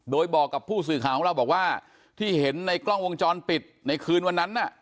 โดยบอกกับผู้สื่อข่าวของเราบอกว่าที่เห็นในกล้องวงจรปิดในคืนวันนั้นน่ะ